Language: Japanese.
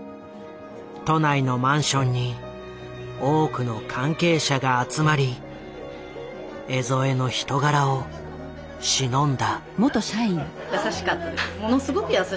都内のマンションに多くの関係者が集まり江副の人柄をしのんだ。